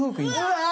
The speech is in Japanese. うわ！